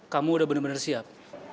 kamu udah bener bener siap